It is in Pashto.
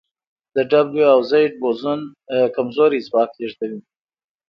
د ډبلیو او زیډ بوزون کمزوری ځواک لېږدوي.